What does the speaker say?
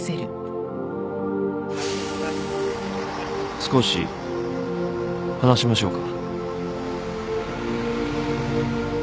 少し話しましょうか。